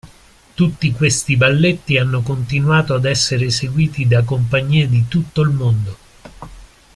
Tutti questi balletti hanno continuato ad essere eseguiti da compagnie di tutto il mondo.